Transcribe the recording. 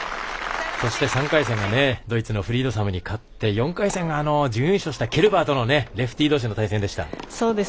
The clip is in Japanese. そして３回戦がドイツのフリードサムに勝って４回戦が準優勝したケルバーとのレフティ同士の対戦でした。